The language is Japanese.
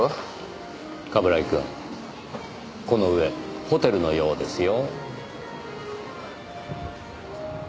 冠城くんこの上ホテルのようですよ。